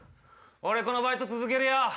俺このバイト続けるよ。